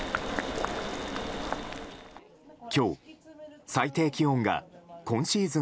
今日、最低気温が今シーズン